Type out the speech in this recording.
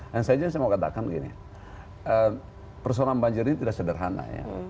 dan saya juga mau katakan begini persoalan banjir ini tidak sederhana ya